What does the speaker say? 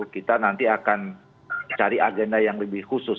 kita nanti akan cari agenda yang lebih khusus